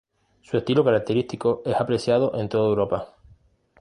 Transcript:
Su estilo característico es apreciado en toda Europa.